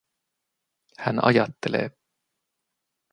Hän ajattelee.